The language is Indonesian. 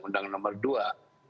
undang nomor dua